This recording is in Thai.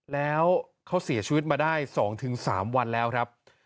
แล้วเขาเสียชวิตมาได้สองถึงสามวันแล้วครับ